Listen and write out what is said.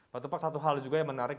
pak tupak satu hal juga yang menarik